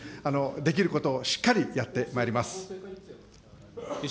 できることをしっかりやってまいります。